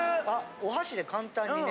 お箸で簡単にね。